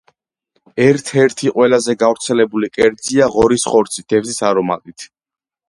ერთ-ერთი ყველაზე გავრცელებული კერძია ღორის ხორცი თევზის არომატით.